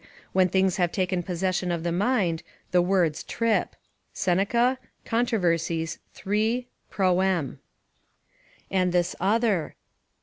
("When things have taken possession of the mind, the words trip.") Seneca, Controvers., iii. proem.] and this other.